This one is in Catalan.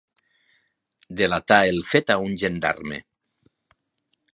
Delatà el fet a un gendarme.